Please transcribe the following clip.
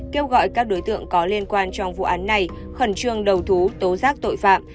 kêu gọi các đối tượng có liên quan trong vụ án này khẩn trương đầu thú tố giác tội phạm